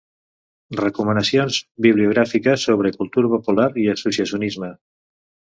Recomanacions bibliogràfiques sobre cultura popular i associacionisme.